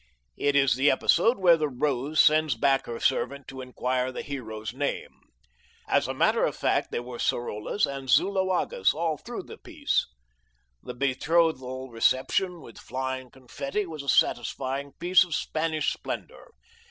It is the episode where the Rose sends back her servant to inquire the hero's name. As a matter of fact there were Sorollas and Zuloagas all through the piece. The betrothal reception with flying confetti was a satisfying piece of Spanish splendor.